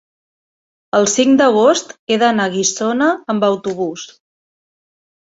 el cinc d'agost he d'anar a Guissona amb autobús.